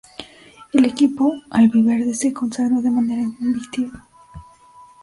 El equipo albiverde se consagró de manera invicta.